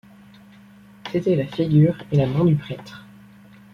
C’était la figure et la main du prêtre.